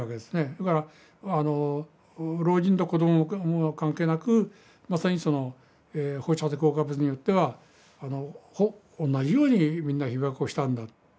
それから老人と子供も関係なくまさにその放射性降下物によっては同じようにみんな被ばくをしたんだ。